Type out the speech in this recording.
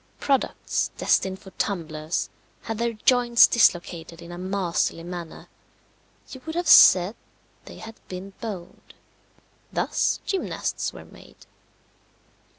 Products, destined for tumblers, had their joints dislocated in a masterly manner you would have said they had been boned. Thus gymnasts were made.